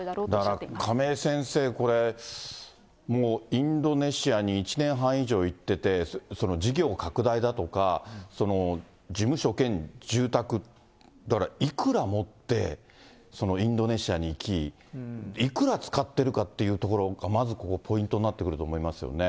だから亀井先生、これ、もうインドネシアに１年半以上行ってて、事業拡大だとか、事務所兼住宅、だからいくら持ってインドネシアに行き、いくら使ってるかっていうところ、まずここ、ポイントになってくるそうですね。